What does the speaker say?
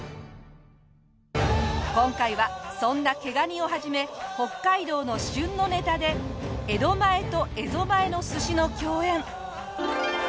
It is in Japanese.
今回はそんな毛ガニを始め北海道の旬のネタで江戸前と蝦夷前の寿司の競演。